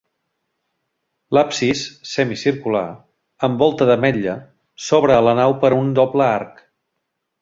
L'absis, semicircular, amb volta d'ametlla, s'obre a la nau per un doble arc.